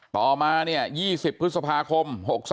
ต่อมาเนี่ย๒๐พฤษภาคม๖๓